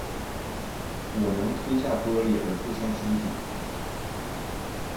我能吞下玻璃而不伤身体